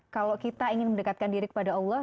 kalau kita ingin mendekatkan diri kepada allah